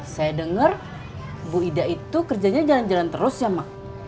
saya dengar bu ida itu kerjanya jalan jalan terus ya mak